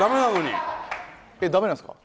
えっダメなんですか？